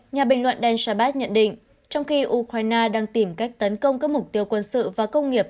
ngoại đen shabat nhận định trong khi ukraine đang tìm cách tấn công các mục tiêu quân sự và công nghiệp